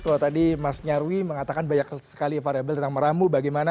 kalau tadi mas nyarwi mengatakan banyak sekali variable tentang meramu bagaimana